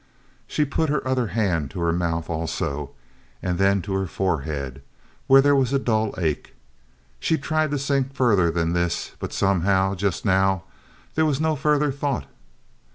She put her other hand to her mouth, also, and then to her forehead, where there was a dull ache. She tried to think further than this, but somehow, just now, there was no further thought.